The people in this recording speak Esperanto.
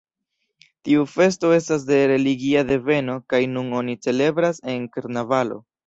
Tiu festo estas de religia deveno kaj nun oni celebras en karnavalo.